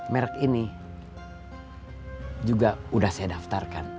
merk ini juga udah saya daftarkan